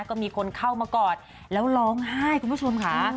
ก็มีคนเข้ามากอดแล้วร้องไห้คุณผู้ชมค่ะ